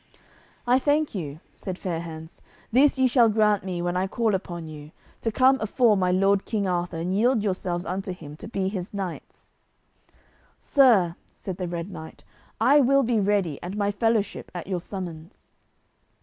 "I thank you," said Fair hands; "this ye shall grant me when I call upon you, to come afore my lord King Arthur and yield yourselves unto him to be his knights." "Sir," said the Red Knight, "I will be ready and my fellowship at your summons."